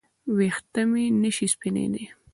ویښته مې نشي سپینېدای